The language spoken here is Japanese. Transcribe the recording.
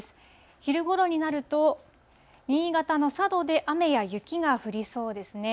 昼ごろになると、新潟の佐渡で雨や雪が降りそうですね。